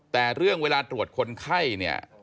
แต่เรื่องเวลาตรวจคนไข้เนี่ย